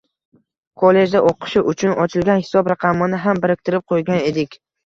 kollejda o‘qishi uchun ochilgan hisob raqamini ham biriktirib qo‘ygan edik.